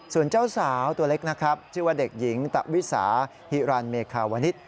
ส่วนเจ้าสาวตัวเล็กนะครับชื่อว่าเด็กหญิงตะวิสาฮิรันเมคาวนิษฐ